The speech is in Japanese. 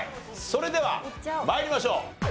それでは参りましょう。